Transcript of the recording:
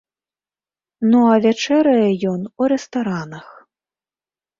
Ну а вячэрае ён у рэстаранах.